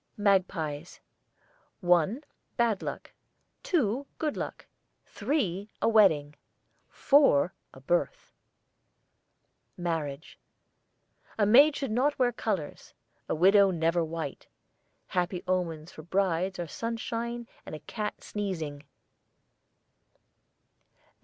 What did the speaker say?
MAGPIES. One, bad luck; two, good luck; three, a wedding; four, a birth. MARRIAGE. A maid should not wear colours; a widow never white. Happy omens for brides are sunshine and a cat sneezing.